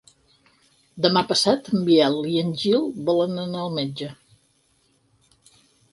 Demà passat en Biel i en Gil volen anar al metge.